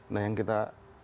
nah yang kita